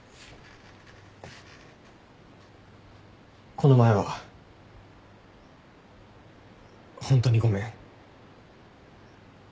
この前はホントにごめん。